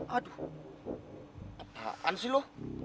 apaan sih lu